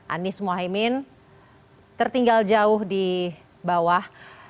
anies mohaimin tertinggal jauh di bawah